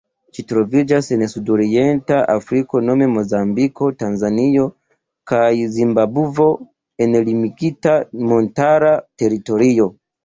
Ĝi troviĝas en sudorienta Afriko nome Mozambiko, Tanzanio kaj Zimbabvo en limigita montara teritorio.